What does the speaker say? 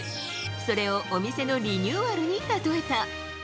それをお店のリニューアルに例えた。